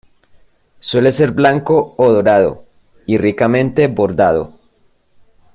Suele ser blanco o dorado, y ricamente bordado.